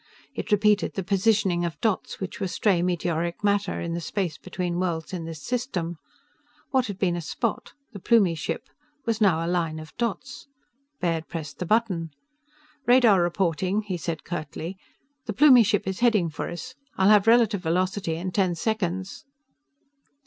It repeated the positioning of dots which were stray meteoric matter in the space between worlds in this system. What had been a spot the Plumie ship was now a line of dots. Baird pressed the button. "Radar reporting!" he said curtly. "The Plumie ship is heading for us. I'll have relative velocity in ten seconds."